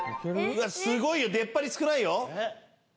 すごいよ出っ張り少ないよ。